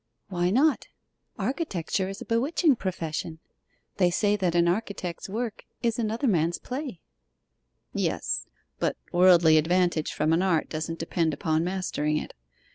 'Why not? Architecture is a bewitching profession. They say that an architect's work is another man's play.' 'Yes. But worldly advantage from an art doesn't depend upon mastering it.